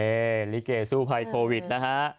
นี่ลิเกสู้ภัยโควิดนะฮะ